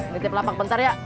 ngitip lapak bentar ya